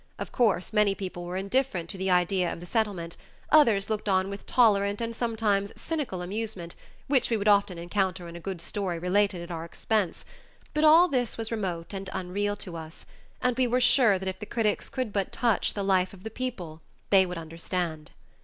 Of course, many people were indifferent to the idea of the Settlement; others looked on with tolerant and sometimes cynical amusement which we would often encounter in a good story related at our expense; but all this was remote and unreal to us, and we were sure that if the critics could but touch "the life of the people," they would understand.